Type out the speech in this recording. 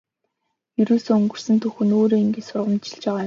Ерөөсөө өнгөрсөн түүх нь өөрөө ингэж сургамжилж байгаа юм.